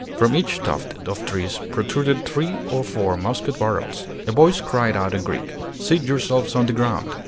From each tuft of trees protruded three or four musket barrels. A voice cried out in Greek, "Seat yourselves on the ground!"